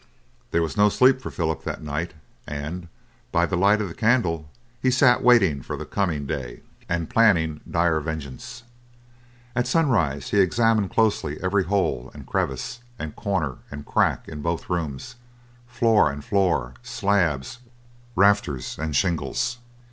There was no sleep for Philip that night, and, by the light of the candle, he sat waiting for the coming day, and planning dire vengeance. At sunrise he examined closely every hole, and crevice, and corner, and crack in both rooms, floor and floor, slabs, rafters, and shingles.